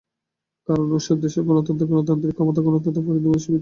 কারণ, ওসব দেশের গণতন্ত্রে গণতান্ত্রিক নেতৃত্বের ক্ষমতা গণতন্ত্রের পরিধির মধ্যে সীমিত।